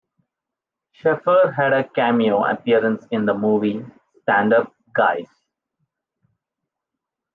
Sheffer had a cameo appearance in the movie "Stand Up Guys".